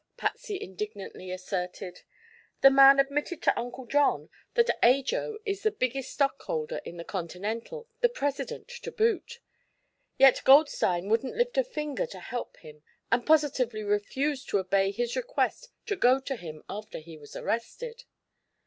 Patsy indignantly asserted. "The man admitted to Uncle John that Ajo is the biggest stockholder in the Continental, the president, to boot; yet Goldstein wouldn't lift a finger to help him and positively refused to obey his request to go to him after he was arrested."